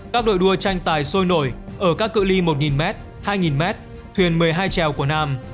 các đội đua tranh tài sôi nổi ở các cự li một m hai m thuyền một mươi hai trèo của nam